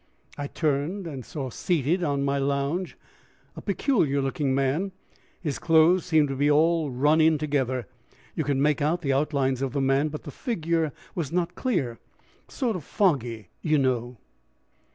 I turned, and saw seated on my lounge a peculiar looking man: his clothes seemed to be all run in together. You could make out the outlines of the man, but the figure was not clear; sort of foggy, you know.